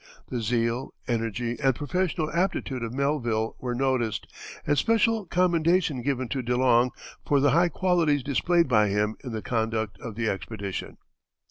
The zeal, energy, and professional aptitude of Melville were noticed, and special commendation given to De Long for the high qualities displayed by him in the conduct of the expedition.